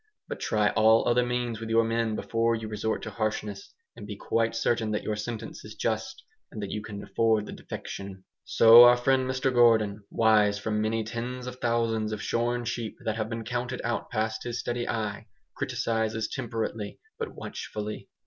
But try all other means with your men before you resort to harshness; and be quite certain that your sentence is just, and that you can afford the defection. So our friend Mr Gordon, wise from many tens of thousands of shorn sheep that have been counted out past his steady eye, criticises temperately, but watchfully.